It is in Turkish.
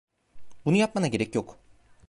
Bunu yapmana gerek yok.